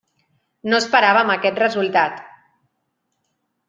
No esperàvem aquest resultat.